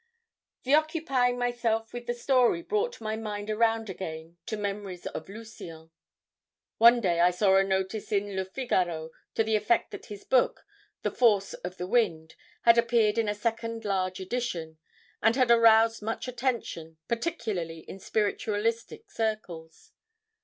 "The occupying myself with the story brought my mind around again to memories of Lucien. One day, I saw a notice in Le Figaro to the effect that his book, 'The Force of the Wind,' had appeared in a second large edition, and had aroused much attention, particularly in spiritualistic circles.